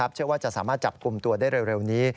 เชื่อว่าจะสามารถจับกลุ่มตัวได้เร็วนี้